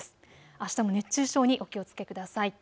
あしたも熱中症にお気をつけください。